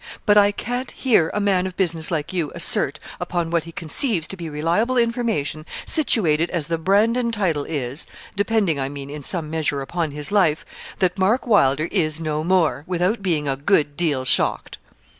But I can't hear a man of business like you assert, upon what he conceives to be reliable information situated as the Brandon title is depending, I mean, in some measure, upon his life that Mark Wylder is no more, without being a good deal shocked.'